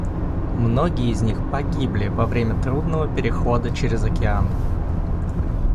Многие из них погибли во время трудного перехода через океан.